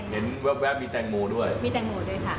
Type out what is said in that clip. แว๊บมีแตงโมด้วยมีแตงโมด้วยค่ะ